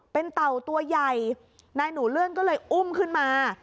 เป็นเต่าตัวใหญ่นายหนูเลื่อนก็เลยอุ้มขึ้นมา